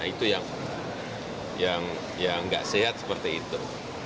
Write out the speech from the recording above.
itu yang tidak sehat seperti itu